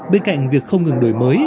bên cạnh việc không ngừng đổi mới